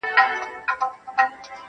اچولی یې پر سر شال د حیا دی,